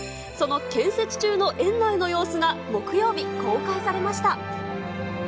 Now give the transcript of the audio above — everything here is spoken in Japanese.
その建設中の園内の様子が木曜日、公開されました。